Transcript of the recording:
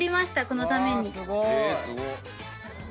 このために。